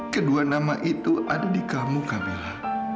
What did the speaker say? kedua nama itu ada di kamu kabella